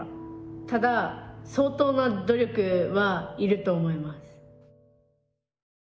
ただ相当な努力はいると思います。